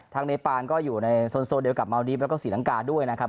เนปานก็อยู่ในโซนโซเดียวกับเมาดีฟแล้วก็ศรีลังกาด้วยนะครับ